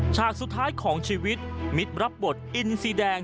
ฉากสุดท้ายของชีวิตมิตรรับบทอินซีแดง